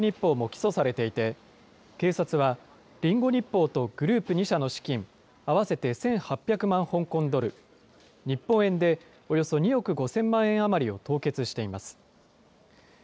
会社としてのリンゴ日報も起訴されていて、警察は、リンゴ日報とグループ２社の資金、合わせて１８００万香港ドル、日本円でおよそ２億５０００万円余りを凍結しています。